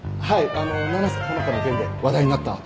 あの七瀬ほのかの件で話題になった。